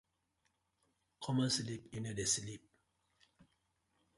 Common sleep yu no dey sleep.